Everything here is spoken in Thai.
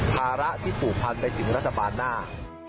ภาระที่ผูกพันไปถึงรัฐบาลหน้า